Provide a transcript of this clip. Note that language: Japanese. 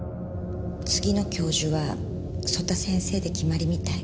次の教授は曽田先生で決まりみたい。